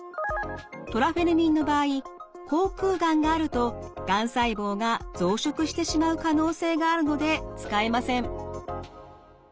トラフェルミンの場合口腔がんがあるとがん細胞が増殖してしまう可能性があるので使えません。